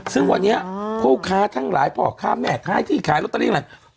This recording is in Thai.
ซึ่งวันนี้ผู้ค้าทั้งหลายพ่อค้าแม่ค้าที่ขายลอตเตอรี่อะไร